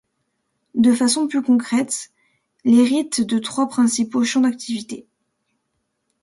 De façon plus concrète, l' hérite de trois principaux champs d'activités.